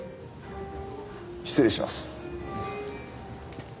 失礼します。